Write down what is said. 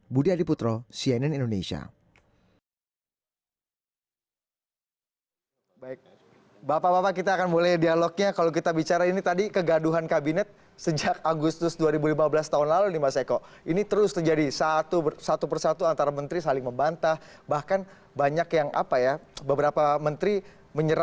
budi adiputro cnn indonesia